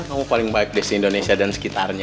kamu paling baik di indonesia dan sekitarnya